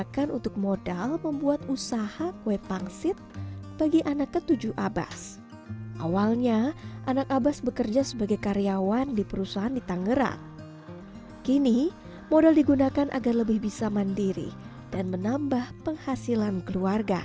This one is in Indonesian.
saya berharap itu bisa jadi sebuah hasil terus karena kita policial